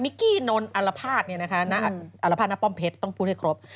นิกี้นนท์อัลภาษณ์นี้นะคะอัลภาษณ์น้าป้อมเพชรต้องพูดให้ครบ